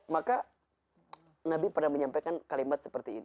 maka nabi pernah menyampaikan kalimat seperti ini